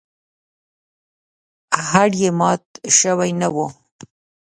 هډ یې مات شوی نه و.